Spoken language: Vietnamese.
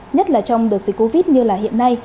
nhất là trong đợt dịch covid như là hiện nay